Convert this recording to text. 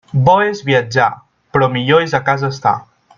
Bo és viatjar, però millor és a casa estar.